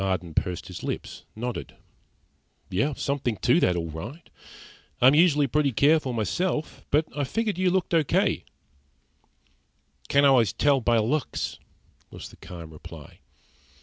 Marden pursed his lips, nodded. "Something to that, all right. I'm usually pretty careful myself; but I figured you looked okay." "Can't always tell by looks," was the calm reply.